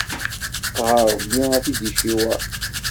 Ɣer Ṛebbi ad t-id-iciweṛ.